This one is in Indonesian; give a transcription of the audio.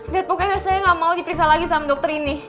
dead pokoknya saya nggak mau diperiksa lagi sama dokter ini